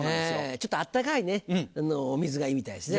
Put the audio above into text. ちょっと温かいねお水がいいみたいですね。